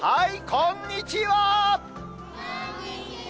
こんにちは。